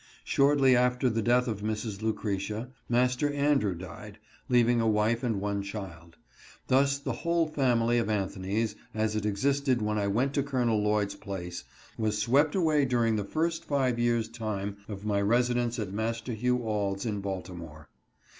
Shortly after the death of Mrs. Lucretia, Master Andrew died, leaving a wife and one child. Thus the whole family of Anthonys, as it ex INGRATITUDE TO GRANDMOTHER. 121 isted when I went to Col. Lloyd's place, was swept away during the first five years' time of my residence at Master Hugh Auld's in Baltimore.